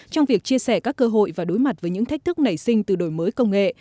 trong việc chia sẻ các cơ hội và đối mặt với những thách thức nảy sinh từ đổi mới công nghệ